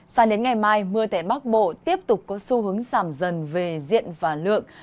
sao đến ngày mai mưa tại bắc bộ tiếp tục có xu hướng giảm dần về diện và lượng